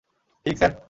ঠিক, স্যার!